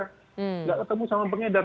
tidak ketemu sama pengedar